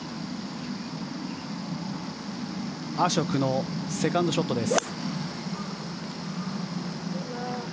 アショクのセカンドショットです。